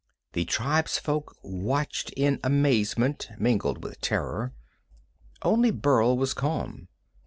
The tribefolk watched in amazement mingled with terror. Only Burl was calm.